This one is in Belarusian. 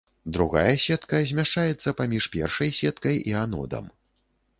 Другая сетка змяшчаецца паміж першай сеткай і анодам.